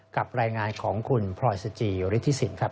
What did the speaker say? กับรายงานของคุณพลอยสจิฤทธิสินครับ